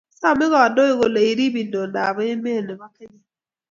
Same kandoik kolee orib indonab emet che bo kenya